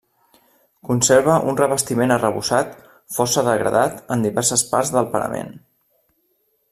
Conserva un revestiment arrebossat força degradat en diverses parts del parament.